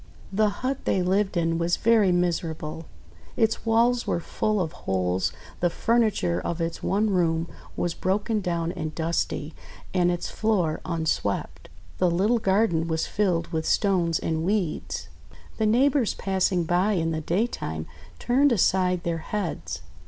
The hut they lived in was very miserable. Its walls were full of holes, the furniture of its one room was broken down and dusty, and its floor unswept. The little garden was filled with stones and weeds. The neighbours passing by in the daytime turned aside their heads.